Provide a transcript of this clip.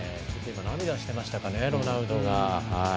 涙してましたからねロナウドが。